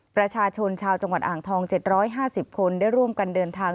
ประชาชนชาวจังหวัดอ่างทอง๗๕๐คนได้ร่วมกันเดินทาง